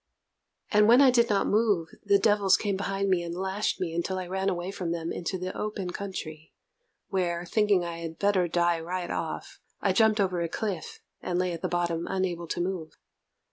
And when I did not move, the devils came behind me and lashed me until I ran away from them into the open country, where, thinking I had better die right off, I jumped over a cliff, and lay at the bottom unable to move.